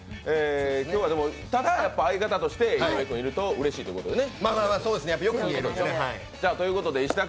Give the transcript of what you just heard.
今日は、ただ相方として井上君がいるとうれしいということですね。